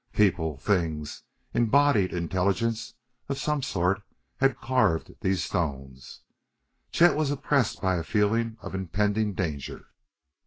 People things embodied intelligences of some sort had carved these stones. Chet was oppressed by a feeling of impending danger.